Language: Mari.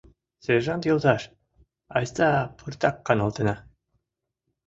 — Сержант йолташ, айста пыртак каналтена.